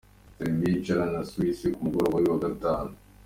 Serbia yo iracakirana na Suisse ku mugoroba w’uyu wa Gatanu.